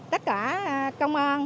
tất cả công an